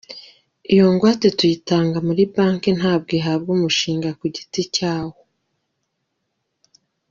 Iyo ngwate tuyitanga muri banki ntabwo ihabwa umushinga ku giti cyawo ».